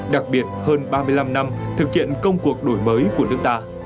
đặc biệt hơn ba mươi năm năm thực hiện công cuộc đổi mới của nước ta